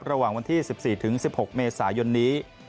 ระหว่างวันที่๑๔๑๖เมษายนนี้